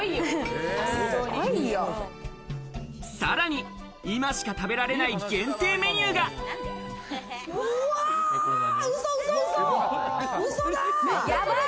さらに今しか食べられない限定メニューが。うそうそ！